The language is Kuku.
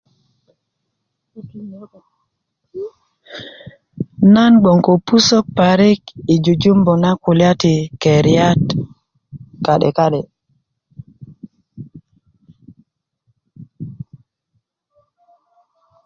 nan gboŋ ko pusök parik yi jujumbu na kulya ti keriyat ka'deka'de'